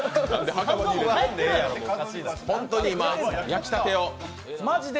本当に今、焼きたてを。